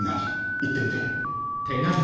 言ってみて。